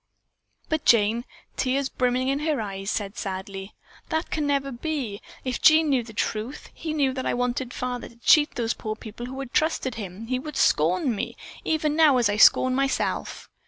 But Jane, tears brimming her eyes, said sadly: "That can never be! If Jean knew the truth; if he knew that I wanted father to cheat those poor people who had trusted him, he would scorn me, even as I now scorn myself.